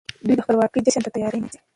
دوی د خپلواکۍ جشن ته تياری نيسي.